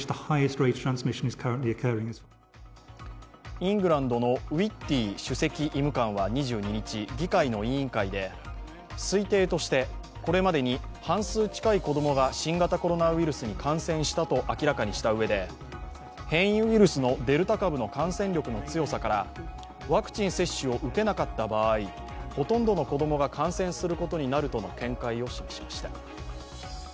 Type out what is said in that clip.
イングランドのウィッティ主席医務官は２２日、議会の委員会で、推定として、これまでに半数近い子供が新型コロナウイルスに感染したと明らかにしたうえで、変異ウイルスのデルタ株の感染力の強さからワクチン接種を受けなかった場合、ほとんどの子供が感染することになるとの見解を示しました。